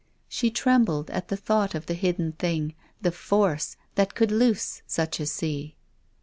She trembled at the thought of the hidden thing, the force, that could loose such a sea.